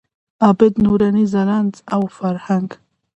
عابد، نوراني، ځلاند او فرهنګ.